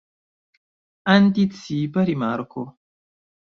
Anticipa rimarko.